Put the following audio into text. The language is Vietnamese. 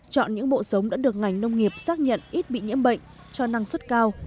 chọn những bộ giống đã được ngành nông nghiệp xác nhận ít bị nhiễm bệnh cho năng suất cao